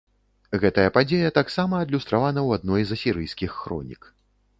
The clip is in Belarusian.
Гэтая падзея таксама адлюстравана ў адной з асірыйскіх хронік.